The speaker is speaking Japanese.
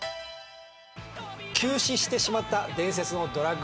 急死してしまった伝説のドラァグ